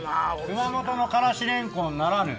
熊本のからしれんこんならぬ。